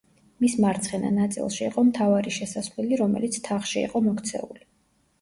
მის მარცხენა ნაწილში იყო მთავარი შესასვლელი, რომელიც თაღში იყო მოქცეული.